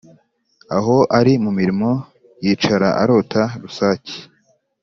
aho ari mu mirimo yicara arota rusake ....